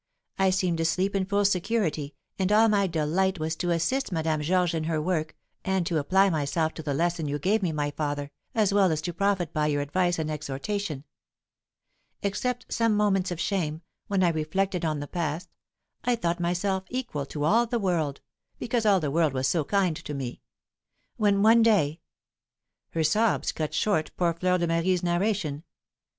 I seemed to sleep in full security, and all my delight was to assist Madame Georges in her work, and to apply myself to the lesson you gave me, my father, as well as to profit by your advice and exhortation. Except some moments of shame, when I reflected on the past, I thought myself equal to all the world, because all the world was so kind to me. When, one day " Here sobs cut short poor Fleur de Marie's narration.